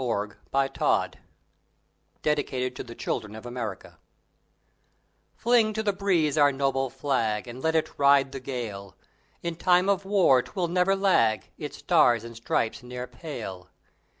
OUR FLAG (DEDICATED TO THE CHILDREN OF AMERICA) Fling to the breeze our noble Flag, And let it ride the gale! In time of War 'twill never lag; Its stars and stripes ne'er pale!